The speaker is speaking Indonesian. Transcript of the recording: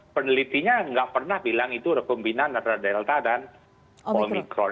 penelitinya nggak pernah bilang itu rekombinan antara delta dan omikron